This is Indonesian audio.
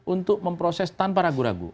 untuk memproses tanpa ragu ragu